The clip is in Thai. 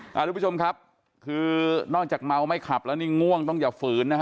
คุณผู้ชมครับคือนอกจากเมาไม่ขับแล้วนี่ง่วงต้องอย่าฝืนนะฮะ